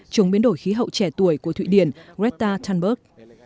chống biến đổi khí hậu trẻ tuổi của thụy điển greta thunberg